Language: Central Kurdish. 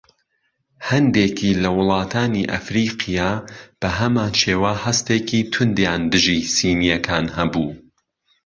هەندێکی لە وڵاتانی ئەفریقیا بەهەمان شێوە هەستێکی توندیان دژی سینیەکان هەبوو.